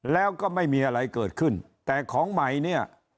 แล้วก็ไม่มีอะไรเกิดขึ้นแต่ของใหม่เนี่ย